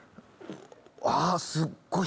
あすごい。